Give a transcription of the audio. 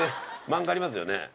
漫画ありますよね？